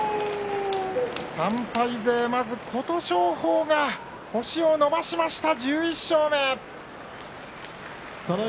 ３敗勢では、まず琴勝峰が星を伸ばしました、１１勝目。